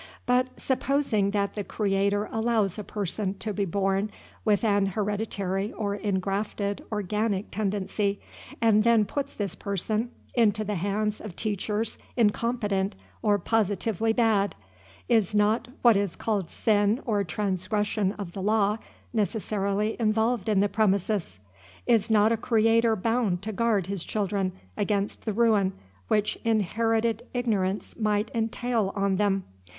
But supposing that the Creator allows a person to be born with an hereditary or ingrafted organic tendency, and then puts this person into the hands of teachers incompetent or positively bad, is not what is called sin or transgression of the law necessarily involved in the premises? Is not a Creator bound to guard his children against the ruin which inherited ignorance might entail on them?